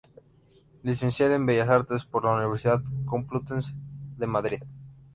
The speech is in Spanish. Licenciado en Bellas Artes por la Universidad Complutense de Madrid.